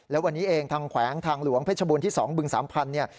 แล้ววันนี้เองทางแขวงทางหลวงเพชรบูรณที่๒บึงสามพันธุ์เนี่ย